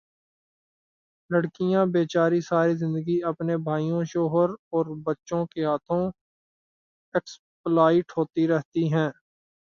لڑکیاں بے چاری ساری زندگی اپنے بھائیوں، شوہر اور بچوں کے ہاتھوں ایکسپلائٹ ہوتی رہتی ہیں